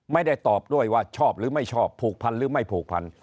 ไม่ได้ตอบด้วยว่าชอบหรือไม่ชอบผูกพันหรือไม่ผูกพัน